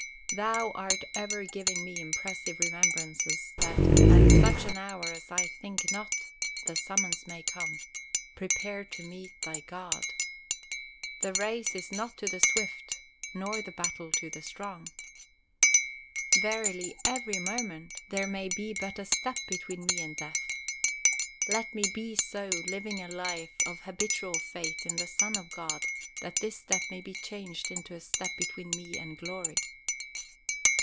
Thou art ever giving me impressive remembrances that "at such an hour as I think not," the summons may come, "Prepare to meet Thy God." The race is not to the swift nor the battle to the strong. Verily every moment there may be but a step between me and death. Let me be so living a life of habitual faith in the Son of God that this step may be changed into a step between me and glory.